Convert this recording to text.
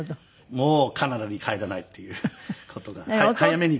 もうカナダに帰らないっていう事が早めに決まりました。